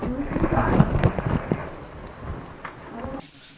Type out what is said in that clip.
วันนี้ก็จะเป็นสวัสดีครับ